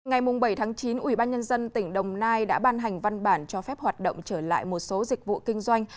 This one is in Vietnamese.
ngày bảy chín ubnd tỉnh đồng nai đã ban hành văn bản cho phép hoạt động trở lại một số dịch vụ kinh doanh